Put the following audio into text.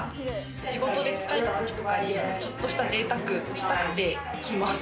仕事で疲れたときとかに、ちょっとした贅沢したくて来ます。